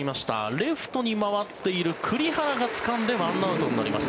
レフトに回っている栗原がつかんで１アウトになります。